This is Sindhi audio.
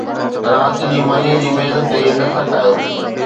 رات جي ماني جي ميز تي نه ٿڪايو